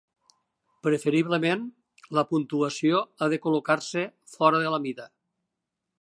Preferiblement, la puntuació ha de col·locar-se fora de la mida.